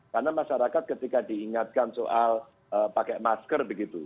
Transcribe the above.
karena masyarakat ketika diingatkan soal pakai masker begitu